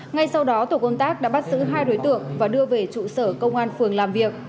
ngay sau đó tổ công tác đã bắt giữ hai đối tượng và đưa về trụ sở công an phường làm việc